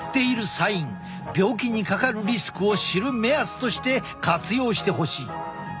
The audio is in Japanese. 病気にかかるリスクを知る目安として活用してほしい。